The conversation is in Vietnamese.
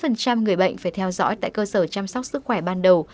tám mươi người bệnh phải theo dõi tại cơ sở chăm sóc sức khỏe ban đầu